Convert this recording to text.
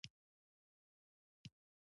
یوازې څو مناسب ډولونه د انسان لخوا اهلي شول.